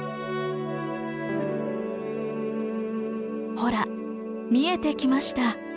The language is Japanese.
ほら見えてきました。